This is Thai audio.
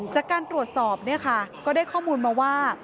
จากการตรวจสอบเนี่ยค่ะก็ได้ข้อมูลมาว่า